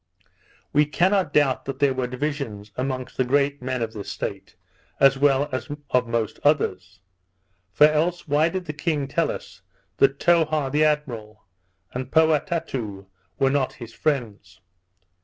We cannot doubt that there were divisions amongst the great men of this state, as well as of most others; or else why did the king tell us, that Towha the admiral, and Poatatou were not his friends?